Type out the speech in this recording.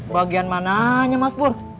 bagian mananya mas pur